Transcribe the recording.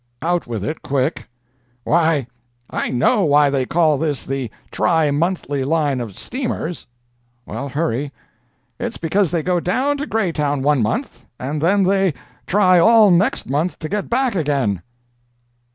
"Out with it—quick!" "Why, I know why they call this the tri monthly line of steamers." "Well hurry." "It's because they go down to Greytown one month, and then they try all next month to get back again!"